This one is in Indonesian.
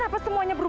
aku juga kian santang